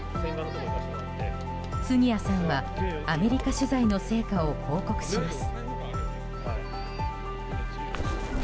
杉谷さんはアメリカ取材の成果を報告します。